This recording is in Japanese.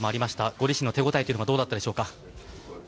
ご自身の手応えはどうだったでしょうか？